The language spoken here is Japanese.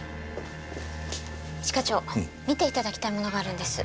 一課長見て頂きたいものがあるんです。